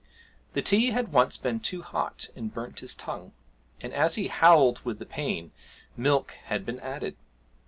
The tea had once been too hot and burnt his tongue, and, as he howled with the pain, milk had been added.